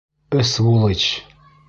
Ысвулычь!